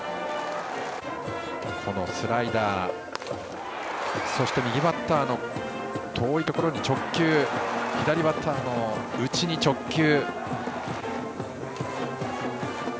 スライダー、そして右バッターの遠いところに直球左バッターの内に直球。